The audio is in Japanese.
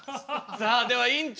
さあでは院長